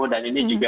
dan ini juga